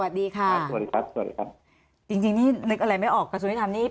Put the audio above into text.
สวัสดีครับสวัสดีครับจริงจริงนี่นึกอะไรไม่ออกกระทรวงให้ทำนี่